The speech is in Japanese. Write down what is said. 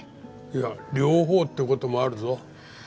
いや両方って事もあるぞ。